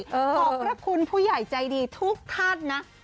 ขอบพระคุณผู้ใหญ่ใจดีทุกท่านนะ